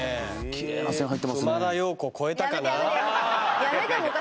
きれいな線入ってますね